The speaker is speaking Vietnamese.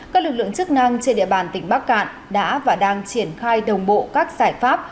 các lực lượng chức năng trên địa bàn tỉnh bắc cạn đã và đang triển khai đồng bộ các giải pháp